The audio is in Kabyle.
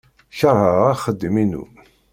Keṛheɣ axeddim-inu.